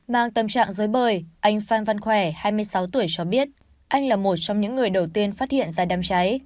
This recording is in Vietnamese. mang tâm trạng rối bời anh phan văn khoẻ hai mươi sáu tuổi cho biết anh là một trong những người đầu tiên phát hiện ra đám trái